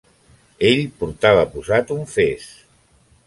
Ell portava posat un fes.